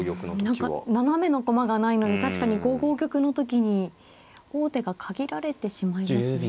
何か斜めの駒がないのに確かに５五玉の時に王手が限られてしまいますね。